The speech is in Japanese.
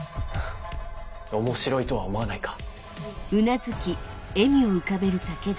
面白いとは思わないか？